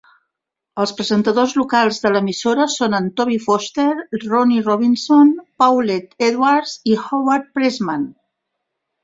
Els presentadors locals de l'emissora són en Toby Foster, Rony Robinson, Paulette Edwards i Howard Pressman.